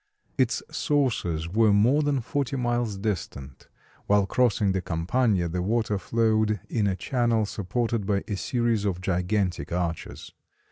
Its sources were more than forty miles distant; while crossing the Campagna the water flowed in a channel supported by a series of gigantic arches.